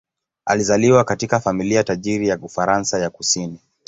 Alizaliwa katika familia tajiri ya Ufaransa ya kusini.